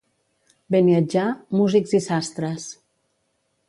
Beniatjar, músics i sastres.